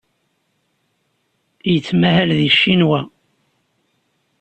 Yettmahal deg Ccinwa.